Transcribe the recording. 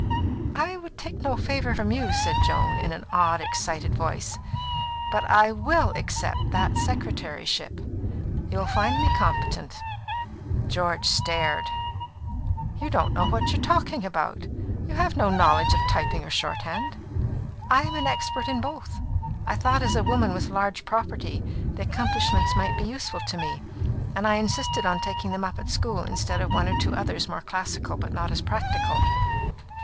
"I would take no favour from you," said Joan, in an odd, excited voice. "But I will accept that secretaryship; you'll find me competent." George stared. "You don't know what you are talking about. You have no knowledge of typing or shorthand." "I am expert in both. I thought, as a woman with large property, the accomplishments might be useful to me, and I insisted on taking them up at school instead of one or two others more classical but not as practical."